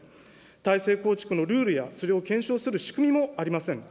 体制構築のルールや、それを検証する仕組みもありません。